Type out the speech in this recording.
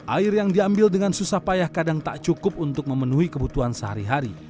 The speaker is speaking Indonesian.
air yang diambil dengan susah payah kadang tak cukup untuk memenuhi kebutuhan sehari hari